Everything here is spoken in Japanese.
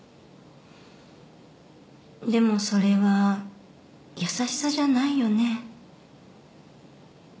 でもそれは優しさじゃないよね？